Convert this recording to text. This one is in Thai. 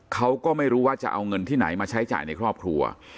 เขาก็ไม่รู้ว่าจะเอาเงินที่ไหนมาใช้จ่ายในครอบครัว